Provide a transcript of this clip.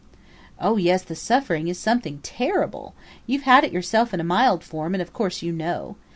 ... "Oh yes, the suffering is something terrible. You've had it yourself in a mild form and of course you know.